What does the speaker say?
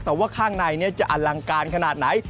แต่ว่าข้างในจะอลังการขนาดไหน